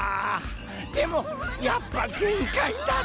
でもやっぱげんかいだって。